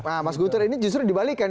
nah mas guter ini justru dibalikkan